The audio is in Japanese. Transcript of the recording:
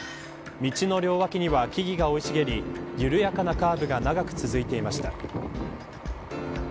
道の両脇には木々が生い茂り緩やかなカーブが長く続いていました。